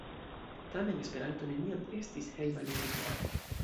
Tamen Esperanto neniam estis hejma lingvo.